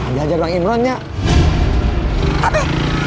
diajar bang imron iya